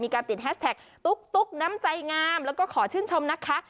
ติดแฮชแท็กตุ๊กน้ำใจงามแล้วก็ขอชื่นชมนะคะ